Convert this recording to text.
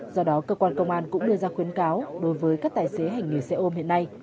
do đó cơ quan công an cũng đưa ra khuyến cáo đối với các tài xế hành nghề xe ôm hiện nay